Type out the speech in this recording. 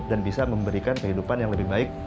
dan bisa memberikan kehidupan yang lebih baik